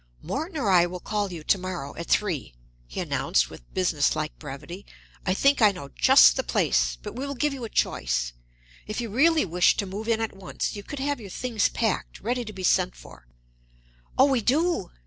"Morton or I will call for you to morrow at three," he announced with business like brevity. "I think I know just the place, but we will give you a choice. If you really wish to move in at once, you could have your things packed, ready to be sent for." "Oh, we do!"